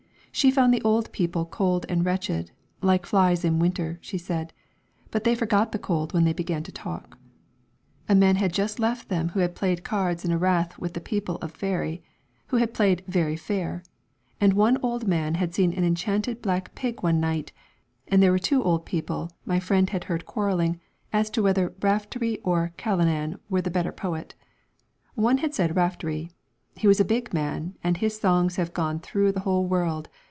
She found the old people cold and wretched, 'like flies in winter,' she said ; but they forgot the cold when they began to talk. A man had just left them who had played cards in a rath with the people of faery, who had played 1 very fair '; and one old man had seen an enchanted black pig one night, and there were two old people my friend had heard quarrelling as to whether Raftery or Callanan was the better poet. One had said of Raftery, ' He was a big man, and his songs have gone through the whole world.